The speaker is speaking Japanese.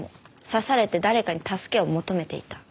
刺されて誰かに助けを求めていた。